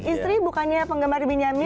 eh ini istri bukannya penggambar binyamin